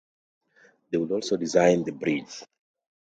They would also design the bridge.